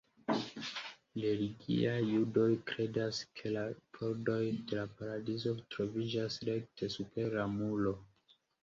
Religiaj judoj kredas ke la pordoj de la paradizo troviĝas rekte super la muro.